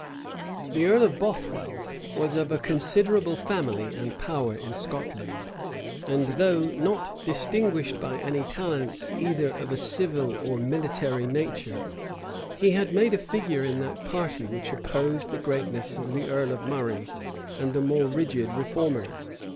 The earl of Bothwell was of a considerable family and power in Scotland; and though not distinguished by any talents either of a civil or military nature, he had made a figure in that party which opposed the greatness of the earl of Murray and the more rigid reformers.